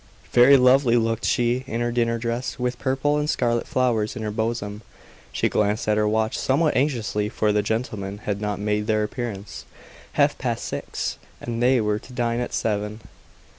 Very lovely looked she in her dinner dress, with purple and scarlet flowers in her bosom. She glanced at her watch somewhat anxiously, for the gentlemen had not made their appearance. Half past six! And they were to dine at seven.